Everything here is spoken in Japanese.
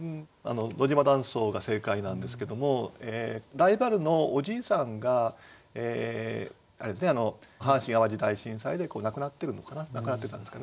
野島断層が正解なんですけどもライバルのおじいさんが阪神・淡路大震災で亡くなってるのかな亡くなってたんですかね。